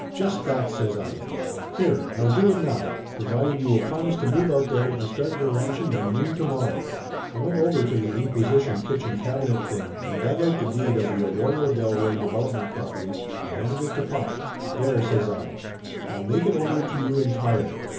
"Just that!" says I. "Here I'll do it now, pro vided you will promise to move out there and start your ranching by noon to morrow." I went over to the inquisition kitchen cabinet thing and dug out the deed of the Arroyo del Rey Develop ment property and handed it to pop. "There!" says I. "I'll make it over to you entire.